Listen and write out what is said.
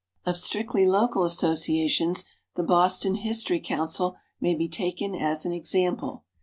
Of strictly local associations the Boston History Council may be taken as an example.